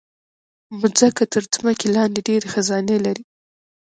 مځکه تر ځمکې لاندې ډېر خزانے لري.